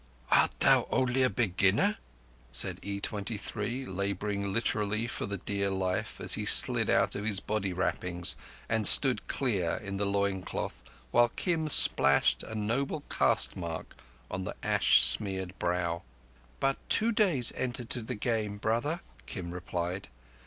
"Art thou only a beginner?" said E23, labouring literally for the dear life, as he slid out of his body wrappings and stood clear in the loin cloth while Kim splashed in a noble caste mark on the ash smeared brow. "But two days entered to the Game, brother," Kim replied.